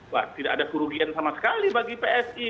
wah tidak ada kerugian sama sekali bagi psi